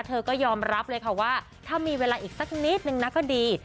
เธอก็ยอมรับเลยค่ะว่าถ้ามีเวลาอีกสักนิดนึงนะก็ดี